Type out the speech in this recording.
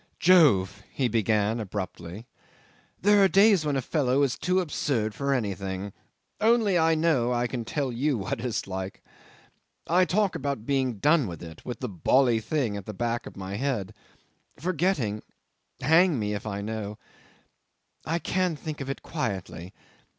'"Jove!" he began abruptly, "there are days when a fellow is too absurd for anything; only I know I can tell you what I like. I talk about being done with it with the bally thing at the back of my head ... Forgetting ... Hang me if I know! I can think of it quietly.